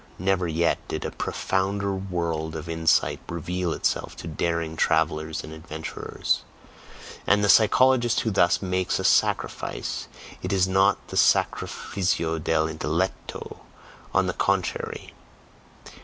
Never yet did a PROFOUNDER world of insight reveal itself to daring travelers and adventurers, and the psychologist who thus "makes a sacrifice" it is not the sacrifizio dell' intelletto, on the contrary!